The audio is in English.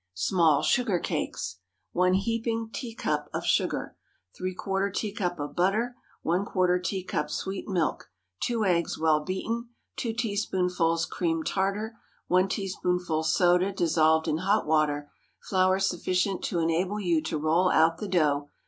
SMALL SUGAR CAKES. 1 heaping teacup of sugar. ¾ teacup of butter. ¼ teacup sweet milk. 2 eggs, well beaten. 2 teaspoonfuls cream tartar. 1 teaspoonful soda dissolved in hot water. Flour sufficient to enable you to roll out the dough.